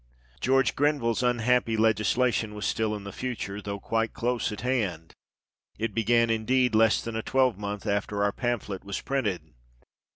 George Grenville's unhappy legislation was still in the future, though quite close at hand ; it began, indeed, less than a twelvemonth after THE EDITOR'S PREFACE. xxi our pamphlet was printed.